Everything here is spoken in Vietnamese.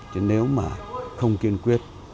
chứ nếu mà không kiên quyết